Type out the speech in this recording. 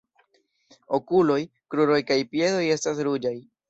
Okuloj, kruroj kaj piedoj estas ruĝaj.